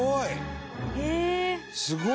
「すごい！」